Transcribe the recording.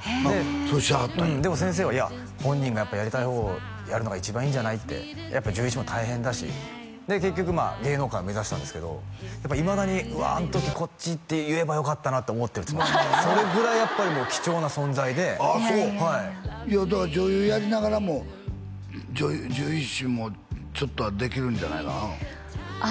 へえそうしはったんやでも先生はいや本人がやっぱやりたい方をやるのが一番いいんじゃないってやっぱ獣医師も大変だしで結局芸能界を目指したんですけどやっぱいまだにうわあん時こっちって言えばよかったなって思ってるそれぐらいやっぱり貴重な存在でいやいやいやいやだから女優やりながらも獣医師もちょっとはできるんじゃないかなあ